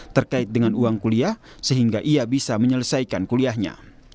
terkait dengan uang kuliah sehingga ia bisa menyelesaikan kuliahnya